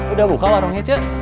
udah buka warungnya ce